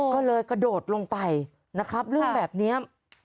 ก็เลยกระโดดลงไปนะครับเรื่องแบบนี้